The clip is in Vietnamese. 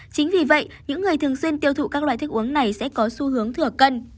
chính vì vậy những người thường xuyên tiêu thụ các loại thức uống này sẽ có xu hướng thừa cân